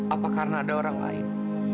apa karena ada orang lain